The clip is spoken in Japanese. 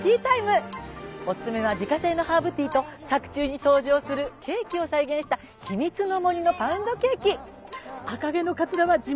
お薦めは自家製のハーブティーと作中に登場するケーキを再現した秘密の森のパウンドケーキ。